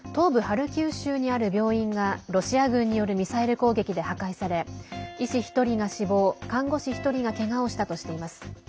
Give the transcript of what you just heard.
ハルキウ州にある病院がロシア軍によるミサイル攻撃で破壊され医師１人が死亡、看護師１人がけがをしたとしています。